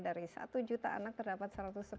dari satu juta anak terdapat